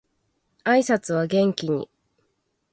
挨拶は元気に